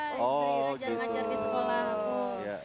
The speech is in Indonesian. yang sering ajar ajar di sekolah